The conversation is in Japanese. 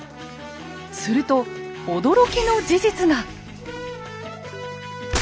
すると驚きの事実が。